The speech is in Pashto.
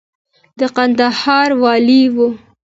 د کندهار والي و.